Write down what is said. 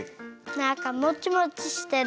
なんかもちもちしてる。